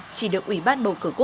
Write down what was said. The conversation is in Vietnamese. chỉ được ủy ban bầu cử